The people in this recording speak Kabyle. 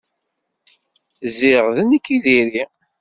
Ziɣ d nekk i diri.